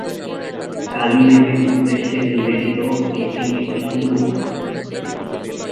কালী দেবীর উদ্দেশ্যে নিবেদিত এটি একটি হিন্দু মন্দির।